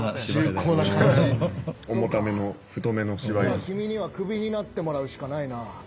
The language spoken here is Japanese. じゃあ君には首になってもらうしかないな。